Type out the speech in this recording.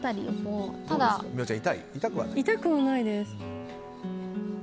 痛くはないです。